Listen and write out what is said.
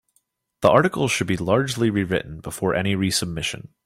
The article should be largely rewritten before any resubmission.